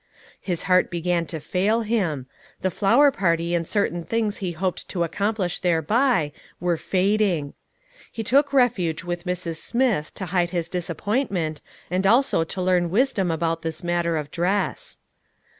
His heart began to fail him; the flower party and certain things which he hoped to accomplish thereby, were fading. He took refuge with Mrs. Smith to hide his disappointment, and also to learn wis dom about this matter of dress.